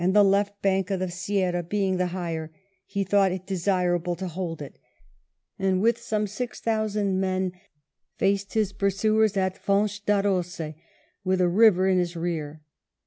the left bank of the Ceira being the higher, he thought it desirable to hold it, and with some six thousand men faced his pursuers at Foz D'Aronce, with a river in his rear.